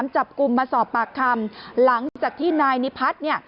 จับกลุ่มมาสอบปากคำหลังจากที่นายนิพัฒน์เนี่ย